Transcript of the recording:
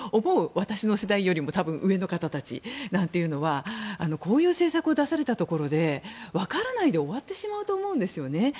私の世代より多分、上の方たちなんていうのはこういう政策を出されたところでわからないで終わってしまうと思うんですよね。